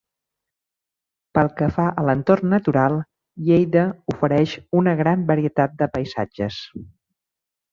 Pel que fa a l'entorn natural, Lleida ofereix una gran varietat de paisatges.